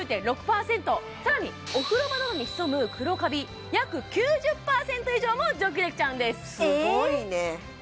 更にお風呂場などに潜む黒カビ約９０％以上も除去できちゃうんですええっ！？